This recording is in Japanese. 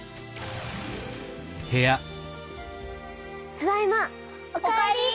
ただいま！お帰り！